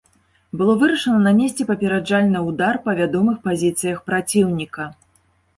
Было вырашана нанесці папераджальны ўдар па вядомых пазіцыях праціўніка.